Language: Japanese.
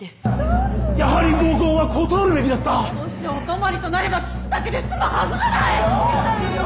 もしお泊まりとなればキスだけで済むはずがない！